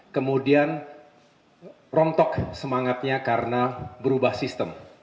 kemudian rontok semangatnya karena berubah sistem